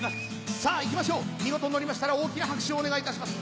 さぁいきましょう見事のりましたら大きな拍手をお願いいたします